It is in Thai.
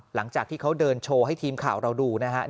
หลังจากที่เขาเดินโชว์ให้ทีมข่าวเราดูนะครับ